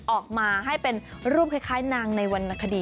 ออกมาให้เป็นรูปคล้ายนางในวรรณคดี